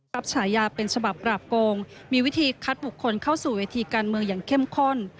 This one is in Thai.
ฉายาเป็นฉบับปราบโกงมีวิธีคัดบุคคลเข้าสู่เวทีการเมืองอย่างเข้มข้น